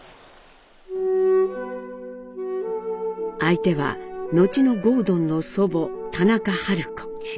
相手は後の郷敦の祖母・田中春子。